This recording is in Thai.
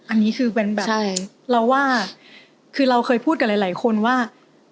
อันนี้คือเป็นแบบใช่เราว่าคือเราเคยพูดกับหลายคนว่า